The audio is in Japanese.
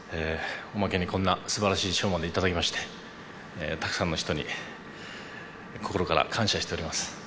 おまけにこんな素晴らしい賞まで頂きましてたくさんの人に心から感謝しております。